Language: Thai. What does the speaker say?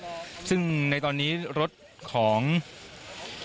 และมีความหวาดกลัวออกมา